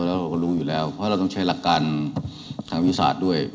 เราก็รู้อยู่แล้วเราต้องใช้หลักการวิศาสตร์ด้วย